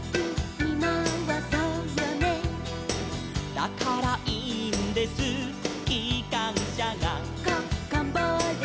「だからいいんですきかんしゃが」